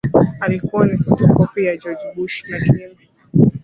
alikuwa ni fotokopi ya George Bush Lakini